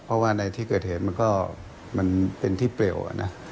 เพราะว่าในที่เกิดเหตุมันก็มันเป็นที่เปลวนะ